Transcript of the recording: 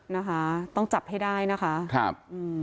นะคะต้องจับให้ได้นะคะครับอืม